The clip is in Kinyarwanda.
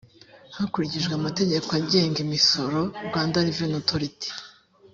hakurikijwe amategeko agenga imisoroi rra